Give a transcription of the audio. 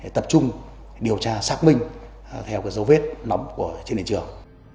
tập trung điều tra xác minh theo dấu vết nóng của trên nền trường